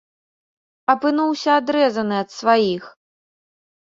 Апынуўся адрэзаны ад сваіх.